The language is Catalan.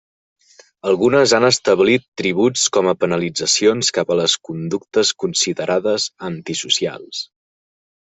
Algunes han establit tributs com a penalitzacions cap a les conductes considerades antisocials.